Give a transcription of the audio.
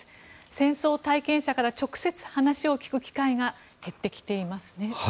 戦争体験者から直接話を聞く機会が減ってきていますね。